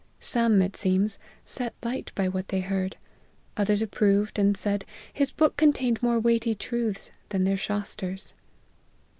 Some, it seems, set light by what they heard : others approved, and said his book contained more weighty truths than their Shasters."